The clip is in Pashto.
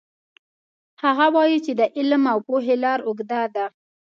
هغه وایي چې د علم او پوهې لار اوږده ده